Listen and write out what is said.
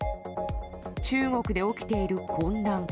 中国で起きている混乱。